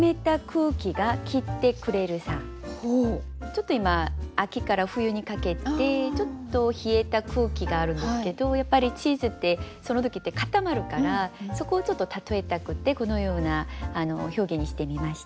ちょっと今秋から冬にかけてちょっと冷えた空気があるんですけどやっぱりチーズってその時って固まるからそこをちょっと例えたくってこのような表現にしてみました。